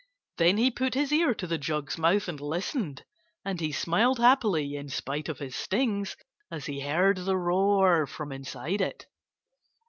Then he put his ear to the jug's mouth and listened. And he smiled happily in spite of his stings as he heard the roar from inside it.